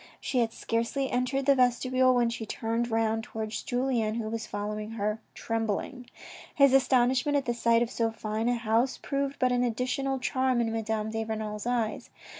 She had scarcely entered the vestibule when she turned round towards Julien, who was following her trembling. His astonishment at the sight of so fine a house proved but an additional charm in Madame de Renal's eyes.